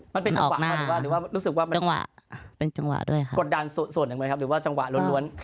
มันเป็นจังหวะหรือว่าเป็นจังหวะด้วยค่ะกดดันส่วนหนึ่งไหมครับหรือว่าจังหวะล้วน